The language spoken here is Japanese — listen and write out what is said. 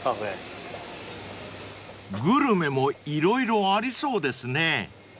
［グルメも色々ありそうですね］